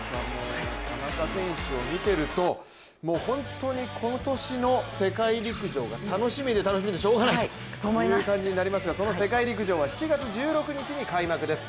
田中選手を見ていると本当に今年の世界陸上が楽しみで楽しみでしょうがないという感じになりますがその世界陸上は７月１６日に開幕です